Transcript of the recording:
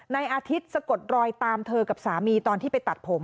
ในอาทิตย์สะกดรอยตามเธอกับสามีตอนที่ไปตัดผม